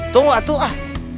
tunggu waktu ah